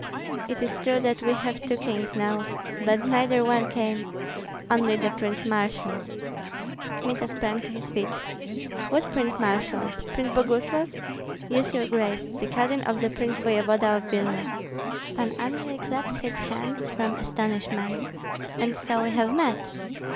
"It is true that we have two kings now, but neither one came, only the prince marshal." Kmita sprang to his feet. "What prince marshal? Prince Boguslav?" "Yes, your grace; the cousin of the prince voevoda of Vilna." Pan Andrei clapped his hands from astonishment. "And so we have met."